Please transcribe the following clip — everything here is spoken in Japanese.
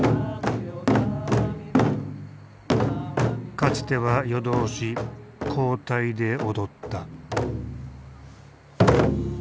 かつては夜通し交代で踊った。